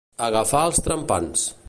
Agafar els trepants.